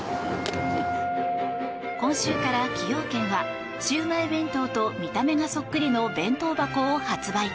今週から崎陽軒はシウマイ弁当と見た目がそっくりの弁当箱を発売。